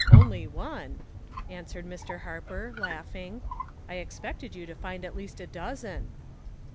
" Only one !'' answered Mr. Harper, laugh ing. " I expected you to find at least a dozen."